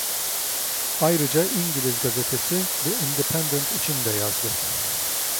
Ayrıca İngiliz gazetesi "The Independent" için de yazdı.